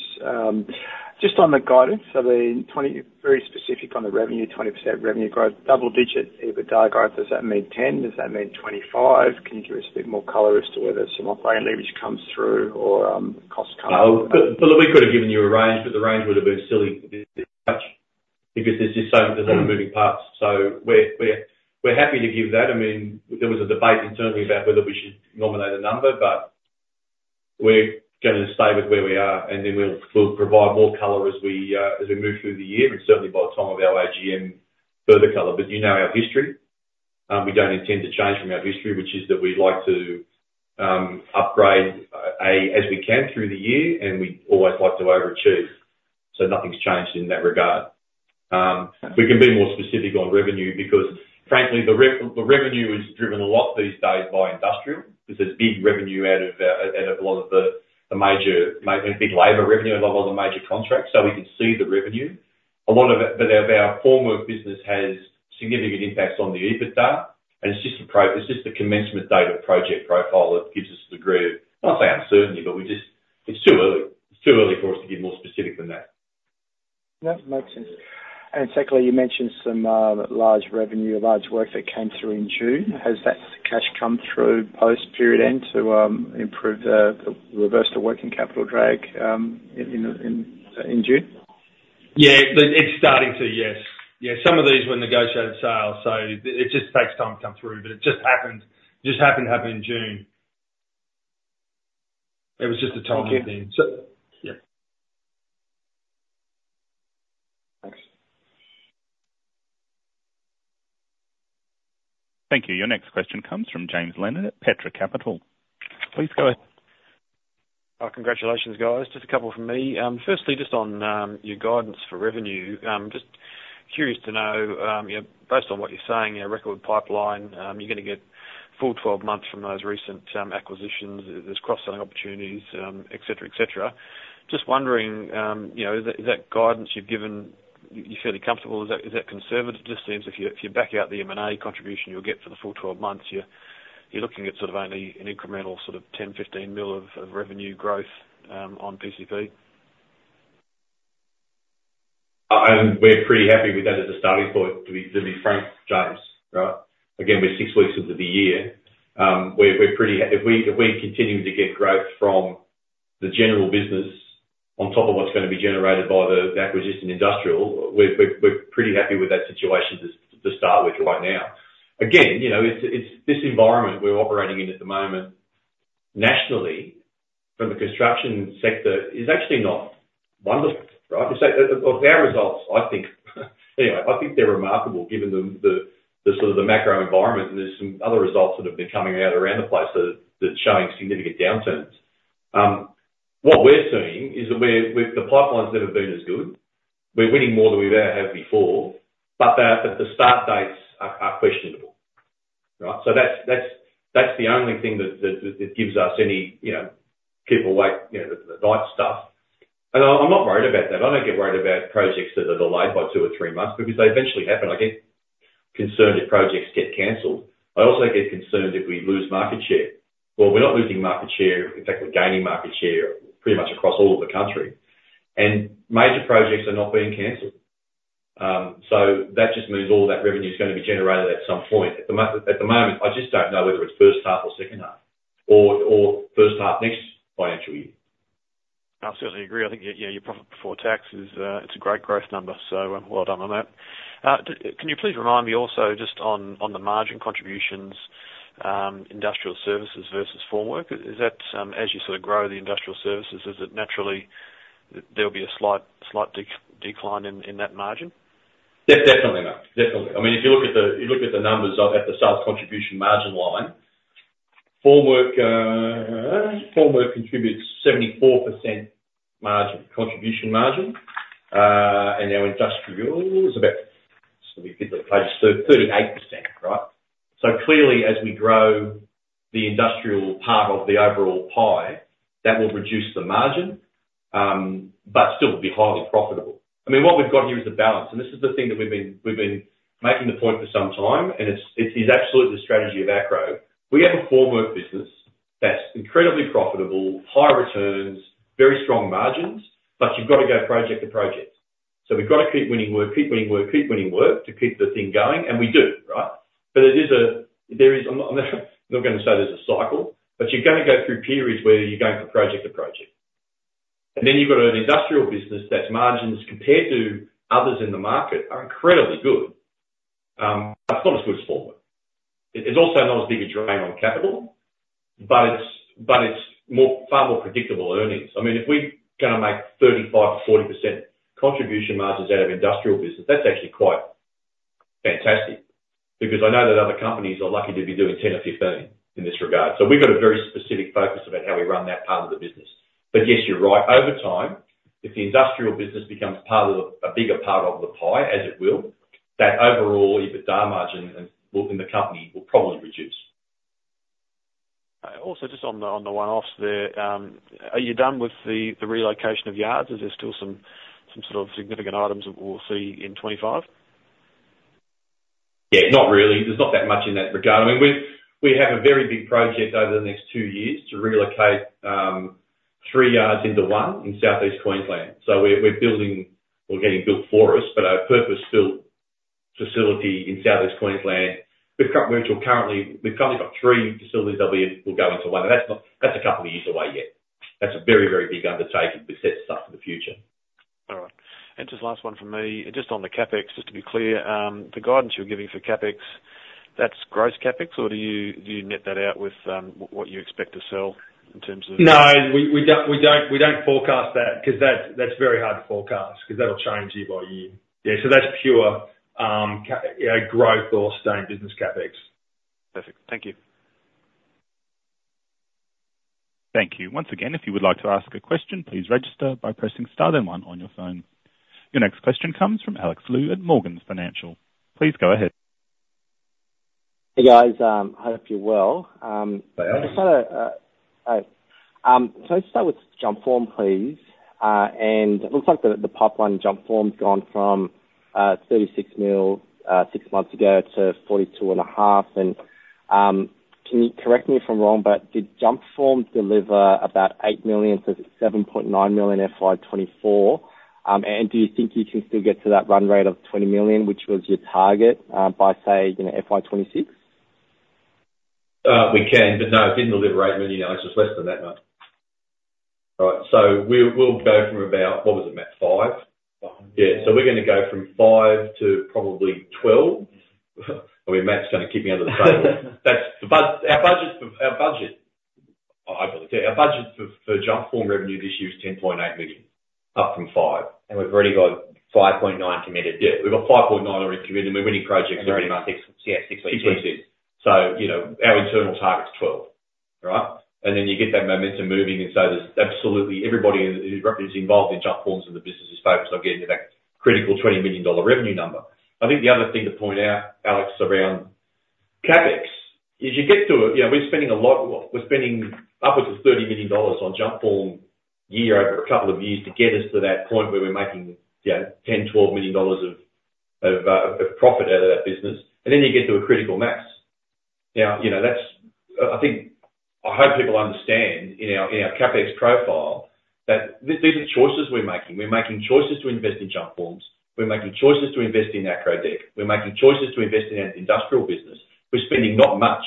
Just on the guidance for the 20. Very specific on the revenue, 20% revenue growth, double-digit EBITDA growth. Does that mean 10? Does that mean 25? Can you give us a bit more color as to whether some operating leverage comes through or cost cutting? Oh, Philip, we could have given you a range, but the range would have been silly, because there's just so many moving parts. So we're happy to give that. I mean, there was a debate internally about whether we should nominate a number, but we're gonna stay with where we are, and then we'll provide more color as we move through the year, and certainly by the time of our AGM, further color. But you know our history. We don't intend to change from our history, which is that we'd like to upgrade as we can through the year, and we always like to overachieve. So nothing's changed in that regard. We can be more specific on revenue because, frankly, the revenue is driven a lot these days by industrial. There's a big revenue out of a lot of the major big labor revenue, a lot of other major contracts, so we can see the revenue. A lot of it, but of our formwork business has significant impacts on the EBITDA, and it's just a commencement date of project profile that gives us a degree of, I'll say, uncertainty, but we just. It's too early. It's too early for us to get more specific than that. That makes sense. And secondly, you mentioned some large revenue, large work that came through in June. Has that cash come through post period end to reverse the working capital drag in June? Yeah, but it's starting to, yes. Yeah, some of these were negotiated sales, so it just takes time to come through, but it just happened to happen in June. It was just the timing then. Thank you. So, yeah. Thanks. Thank you. Your next question comes from James Leonard at Petra Capital. Please go ahead. Congratulations, guys. Just a couple from me. Firstly, just on your guidance for revenue, just curious to know, you know, based on what you're saying, your record pipeline, you're gonna get full 12 months from those recent acquisitions, there's cross-selling opportunities, et cetera, et cetera. Just wondering, you know, is that guidance you've given, you're fairly comfortable? Is that conservative? Just seems if you back out the M&A contribution you'll get for the full 12 months, you're looking at sort of only an incremental sort of 10-15 mil of revenue growth on PCP. And we're pretty happy with that as a starting point, to be frank, James, right? Again, we're six weeks into the year. If we're continuing to get growth from the general business on top of what's gonna be generated by the acquisition industrial, we're pretty happy with that situation to start with right now. Again, you know, it's this environment we're operating in at the moment, nationally, from a construction sector, is actually not wonderful, right? To say our results, I think, anyway, I think they're remarkable given the sort of the macro environment, and there's some other results that have been coming out around the place that are showing significant downturns. What we're seeing is that the pipeline's never been as good. We're winning more than we've ever have before, but the start dates are questionable, right? So that's the only thing that gives us any uncertainty. And I'm not worried about that. I don't get worried about projects that are delayed by two or three months, because they eventually happen. I get concerned if projects get canceled. I also get concerned if we lose market share. We're not losing market share. In fact, we're gaining market share pretty much across all of the country, and major projects are not being canceled. So that just means all that revenue is gonna be generated at some point. At the moment, I just don't know whether it's first half or second half, or first half next financial year. I certainly agree. I think, yeah, your profit before tax is, it's a great growth number, so, well done on that. Can you please remind me also just on, on the margin contributions, industrial services versus formwork, is that, as you sort of grow the industrial services, is it naturally there'll be a slight decline in that margin? Yes, definitely, mate, definitely. I mean, if you look at the numbers at the sales contribution margin line, formwork formwork contributes 74% margin, contribution margin. And our industrial is about, just let me get the page, 38%, right? So clearly, as we grow the industrial part of the overall pie, that will reduce the margin, but still be highly profitable. I mean, what we've got here is a balance, and this is the thing that we've been making the point for some time, and it is absolutely the strategy of Acrow. We have a formwork business that's incredibly profitable, high returns, very strong margins, but you've got to go project to project. So we've got to keep winning work, keep winning work, keep winning work, to keep the thing going, and we do, right? But there is... I'm not gonna say there's a cycle, but you're gonna go through periods where you're going from project to project. And then you've got an industrial business that's margins, compared to others in the market, are incredibly good. But not as good as formwork. It's also not as big a drain on capital, but it's far more predictable earnings. I mean, if we're gonna make 35%-40% contribution margins out of industrial business, that's actually quite fantastic, because I know that other companies are lucky to be doing 10% or 15%, in this regard. So we've got a very specific focus about how we run that part of the business. But yes, you're right. Over time, if the industrial business becomes a bigger part of the pie, as it will, that overall EBITDA margin in the company will probably reduce. Also, just on the one-offs there, are you done with the relocation of yards, or is there still some sort of significant items that we'll see in 2025? Yeah, not really. There's not that much in that regard. I mean, we have a very big project over the next two years to relocate three yards into one in Southeast Queensland. So we're building, or getting built for us, a purpose-built facility in Southeast Queensland. We've currently got three facilities that will go into one, and that's a couple of years away yet. That's a very, very big undertaking to set stuff in the future. All right. And just last one from me, just on the CapEx, just to be clear, the guidance you're giving for CapEx, that's gross CapEx, or do you net that out with what you expect to sell in terms of- No, we don't forecast that, 'cause that's very hard to forecast, 'cause that'll change year by year. Yeah, so that's pure growth or staying business CapEx. Perfect. Thank you. Thank you. Once again, if you would like to ask a question, please register by pressing star then one on your phone. Your next question comes from Alex Lu at Morgans Financial. Please go ahead. Hey, guys. Hope you're well. We are. Let's start with Jumpform, please. It looks like the Jumpform pipeline's gone from 36 mil six months ago to 42.5, and can you correct me if I'm wrong, but did Jumpform deliver about 8 million-7.9 million FY 2024? Do you think you can still get to that run rate of 20 million, which was your target, by say, you know, FY 2026?... We can, but no, it didn't deliver eight million, you know, it's just less than that now. All right, so we'll go from about, what was it, Matt? Five? Five. Yeah, so we're gonna go from five to probably 12. I mean, Matt's gonna keep me under the table. That's our budget for Jumpform revenue this year is 10.8 million, up from five. We've already got 5.9 committed. Yeah, we've got 5.9 already committed, and we're winning projects- Yeah, 6.6. 6.6. So, you know, our internal target's 12. Right? And then you get that momentum moving, and so there's absolutely everybody is involved in Jumpforms, and the business is focused on getting to that critical 20 million dollar revenue number. I think the other thing to point out, Alex, around CapEx, is you get to a. You know, we're spending a lot, we're spending upwards of 30 million dollars on Jumpform year, over a couple of years to get us to that point where we're making, you know, 10 million-12 million dollars of profit out of that business, and then you get to a critical mass. Now, you know, that's, I think. I hope people understand in our CapEx profile, that these are choices we're making. We're making choices to invest in Jumpforms. We're making choices to invest in AcrowDeck. We're making choices to invest in our industrial business. We're spending not much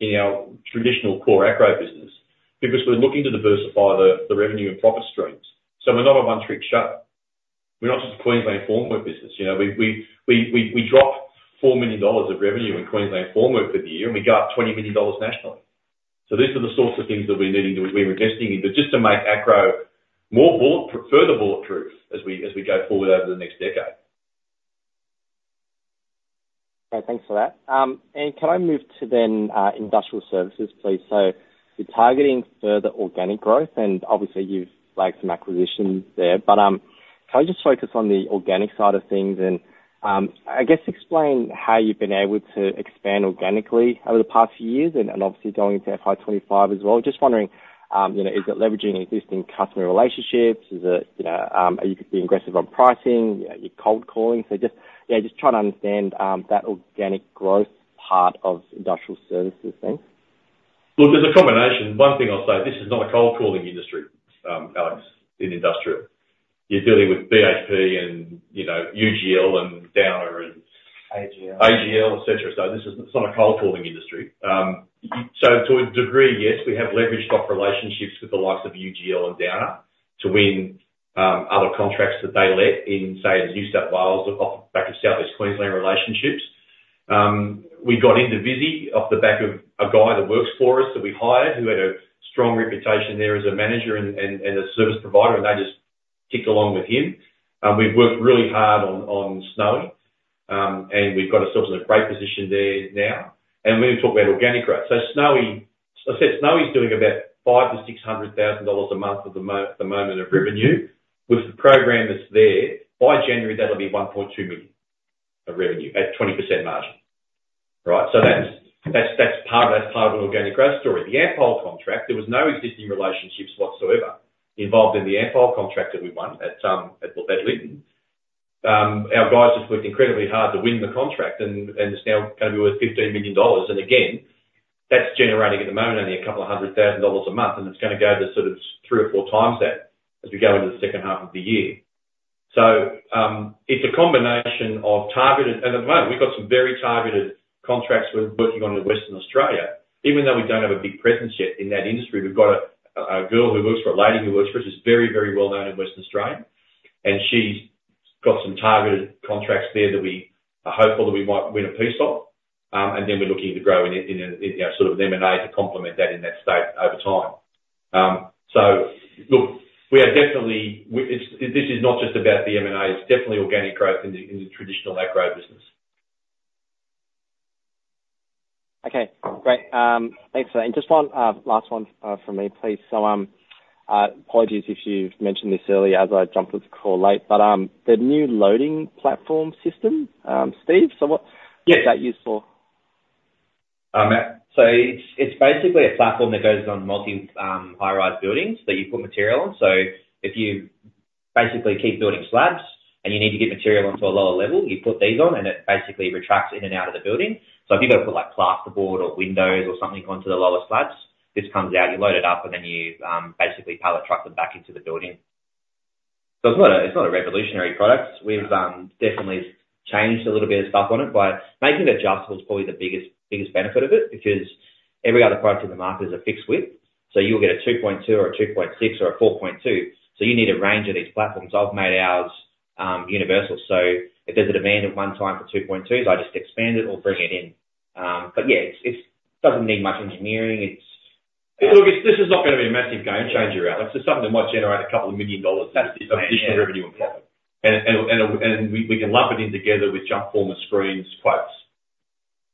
in our traditional core Acrow business, because we're looking to diversify the revenue and profit streams. So we're not a one-trick show. We're not just a Queensland formwork business, you know? We dropped 4 million dollars of revenue in Queensland formwork for the year, and we got up 20 million dollars nationally. So these are the sorts of things that we're needing to. We're investing in, but just to make Acrow more bulletproof, further bulletproof as we go forward over the next decade. Okay, thanks for that, and can I move to then industrial services, please? You're targeting further organic growth, and obviously, you've flagged some acquisitions there, but can I just focus on the organic side of things and I guess explain how you've been able to expand organically over the past few years and obviously going into FY 2025 as well? Just wondering, you know, is it leveraging existing customer relationships? Is it, you know, are you being aggressive on pricing? You know, you're cold calling, so just, yeah, just trying to understand that organic growth part of industrial services then. Look, there's a combination. One thing I'll say, this is not a cold-calling industry, Alex, in industrial. You're dealing with BHP and, you know, UGL and Downer and- AGL. AGL, et cetera. So this is; it's not a cold-calling industry. So to a degree, yes, we have leveraged off relationships with the likes of UGL and Downer to win other contracts that they let out in, say, New South Wales, or off the back of South East Queensland relationships. We got into Visy off the back of a guy that works for us, that we hired, who had a strong reputation there as a manager and a service provider, and they just stuck along with him. We've worked really hard on Snowy, and we've got ourselves in a great position there now. And we're gonna talk about organic growth. So Snowy, I said Snowy's doing about 500,000-600,000 dollars a month at the moment in revenue. With the program that's there, by January, that'll be 1.2 million of revenue at 20% margin. Right? So that's part of an organic growth story. The Ampol contract, there was no existing relationships whatsoever involved in the Ampol contract that we won at Lytton. Our guys just worked incredibly hard to win the contract and it's now gonna be worth 15 million dollars, and again, that's generating at the moment only a couple of hundred thousand dollars a month, and it's gonna go to sort of 3x or 4x that, as we go into the second half of the year. So it's a combination of targeted. At the moment, we've got some very targeted contracts we're working on in Western Australia. Even though we don't have a big presence yet in that industry, we've got a lady who works for us, who's very, very well known in Western Australia, and she's got some targeted contracts there that we are hopeful that we might win a piece of, and then we're looking to grow in, you know, sort of an M&A to complement that in that state over time. So look, we are definitely. This is not just about the M&A. It's definitely organic growth in the traditional Acrow business. Okay, great. Thanks for that. And just one last one from me, please. So, apologies if you've mentioned this earlier, as I jumped into this call late, but the new loading platform system, Steve, so what- Yeah. Is that used for? So it's basically a platform that goes on multi-story high-rise buildings that you put material on. So if you basically keep building slabs, and you need to get material onto a lower level, you put these on, and it basically retracts in and out of the building. So if you've got to put, like, plasterboard or windows or something onto the lower slabs, this comes out, you load it up, and then you basically pallet truck them back into the building. So it's not a revolutionary product. We've definitely changed a little bit of stuff on it by making it adjustable is probably the biggest benefit of it, because every other product in the market is a fixed width. So you'll get a two point two or a two point six or a four point two, so you need a range of these platforms. I've made ours universal, so if there's a demand at one time for two point twos, I just expand it or bring it in. But yeah, it's doesn't need much engineering, it's- Look, this is not gonna be a massive game changer, Alex. It's something that might generate 2 million dollars- That's it. Additional revenue and profit. And we can lump it in together with jump form and screens quotes,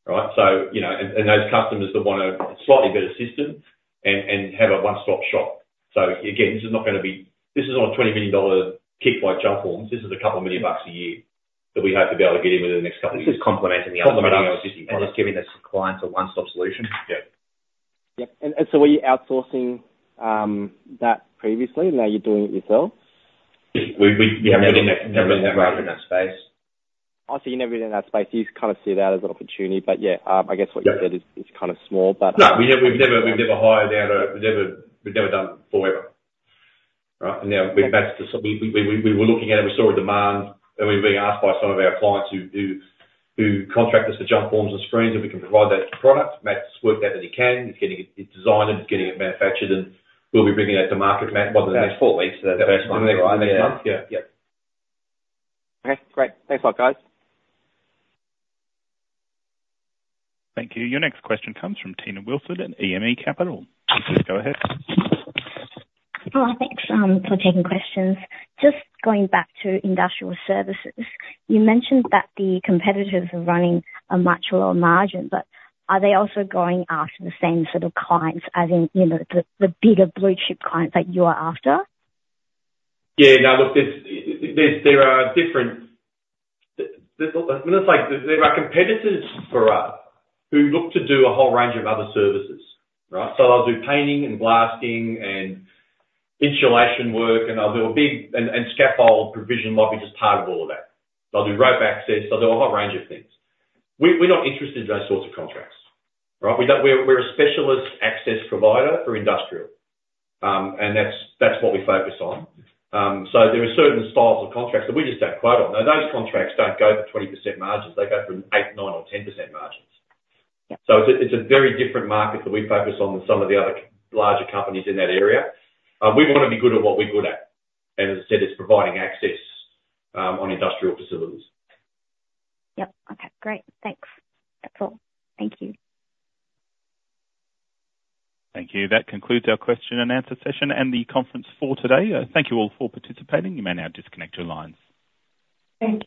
right? So, you know, and those customers that want a slightly better system and have a one-stop shop. So again, this is not gonna be. This is not an 20 million dollar kick like jump forms. This is a couple million bucks a year, that we hope to be able to get in with the next couple years. This is complementing the other products. Complementing the other existing products. It's giving the clients a one-stop solution. Yeah. Yep. And so were you outsourcing that previously, and now you're doing it yourself? Yeah, we've never been in that space. Oh, so you've never been in that space. You kind of see that as an opportunity, but yeah, I guess what you said is kind of small, but- No, we've never hired out a... We've never done it before ever, right? And now we were looking at it, we saw a demand, and we're being asked by some of our clients who contract us for jump forms and screens, if we can provide those products. Matt's worked out that he can. He's getting it designed and getting it manufactured, and we'll be bringing that to market, Matt, what, in the next four weeks? First month. Next month? Yeah. Yep. Okay, great. Thanks a lot, guys. Thank you. Your next question comes from [Tina Wilson] at [EME Capital]. You may go ahead. Hi, thanks, for taking questions. Just going back to industrial services, you mentioned that the competitors are running a much lower margin, but are they also going after the same sort of clients as in, you know, the bigger blue chip clients that you are after? Yeah, now, look, this, well, it's like there are competitors for us, who look to do a whole range of other services, right? So they'll do painting and blasting and insulation work, and scaffold provision might be just part of all of that. They'll do rope access, they'll do a whole range of things. We're not interested in those sorts of contracts, right? We're a specialist access provider for industrial. And that's what we focus on. So there are certain styles of contracts that we just don't quote on. Now, those contracts don't go for 20% margins. They go for 8%, 9%, or 10% margins. Yep. It's a very different market that we focus on than some of the other larger companies in that area. We want to be good at what we're good at, and as I said, it's providing access on industrial facilities. Yep. Okay, great. Thanks. That's all. Thank you. Thank you. That concludes our question and answer session and the conference for today. Thank you all for participating. You may now disconnect your lines. Thank you.